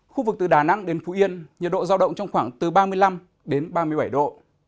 khu vực từ đà nẵng đến phú yên nhiệt độ giao động trong khoảng từ ba mươi năm đến ba mươi bảy độ